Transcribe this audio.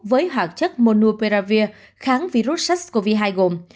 với hỏa chất monopiravir kháng virus sars cov hai gồm